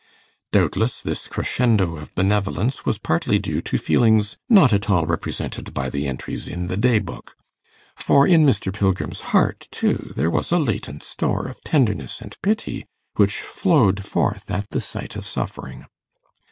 Doubtless this crescendo of benevolence was partly due to feelings not at all represented by the entries in the day book; for in Mr. Pilgrim's heart, too, there was a latent store of tenderness and pity which flowed forth at the sight of suffering.